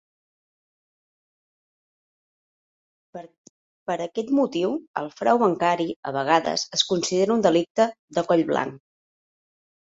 Per aquest motiu, el frau bancari a vegades es considera un delicte de coll blanc.